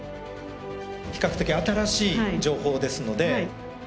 比較的新しい情報ですので。